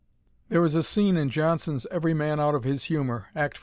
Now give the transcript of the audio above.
There is a scene in Jonson's "Every Man out of his Humour," (Act IV.